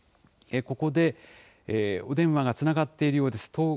ここで、お電話がつながっているようです。